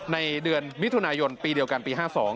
ในเดือนมิถุนายนปีเดียวกันปี๕๒